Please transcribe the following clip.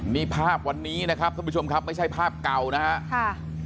นี่ภาพวันนี้นะครับท่านผู้ชมครับไม่ใช่ภาพเก่านะครับ